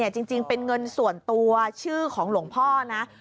จริงเป็นเงินส่วนตัวชื่อของหลวงพ่อนะ